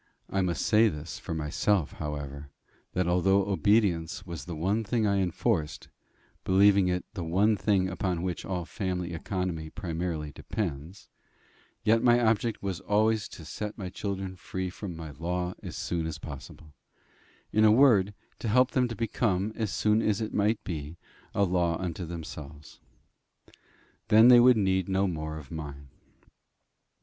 I must say this for myself, however, that, although obedience was the one thing I enforced, believing it the one thing upon which all family economy primarily depends, yet my object always was to set my children free from my law as soon as possible; in a word, to help them to become, as soon as it might be, a law unto themselves. Then they would need no more of mine.